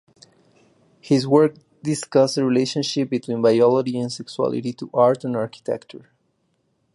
His work discussed the relationship between biology and sexuality to art and architecture.